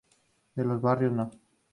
De los Barrios No.